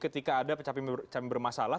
ketika ada capim bermasalah